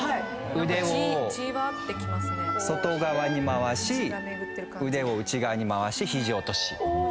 腕を外側に回し腕を内側に回し肘落とし。